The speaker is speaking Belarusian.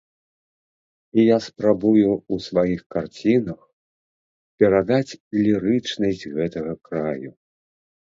І я спрабую ў сваіх карцінах перадаць лірычнасць гэтага краю.